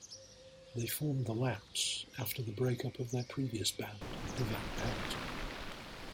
They formed The Lapse after the breakup of their previous band, The Van Pelt.